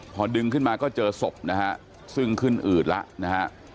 พอดึงขึ้นมาก็เจอศพนะฮะซึ่งขึ้นอืดแล้วนะฮะ